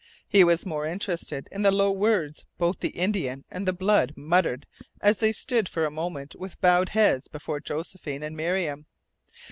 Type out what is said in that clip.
He was more interested in the low words both the Indian and the blood muttered as they stood for a moment with bowed heads before Josephine and Miriam.